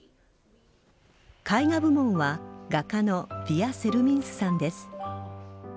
絵画部門は画家のヴィヤ・セルミンスさんです。